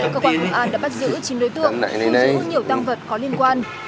cơ quan công an đã bắt giữ chín đối tượng không chứ không nhiều tăng vật có liên quan